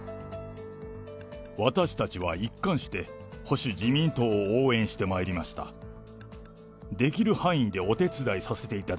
私たちは一貫して、保守・自民党を応援してまいりました。